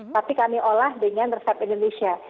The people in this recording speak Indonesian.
tapi kami olah dengan resep indonesia